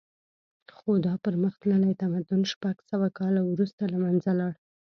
خو دا پرمختللی تمدن شپږ سوه کاله وروسته له منځه لاړ